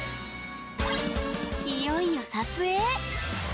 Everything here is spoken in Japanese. いよいよ撮影。